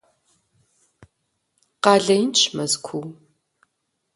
Къалэ инщ Мэзкуу.